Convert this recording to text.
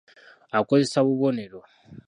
Akozesa bubonero.